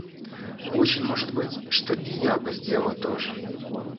Очень может быть, что и я бы сделала то же.